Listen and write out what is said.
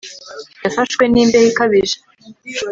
Yafashwe nimbeho ikabije